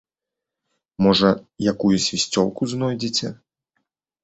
Можа, якую свісцёлку знойдзеце.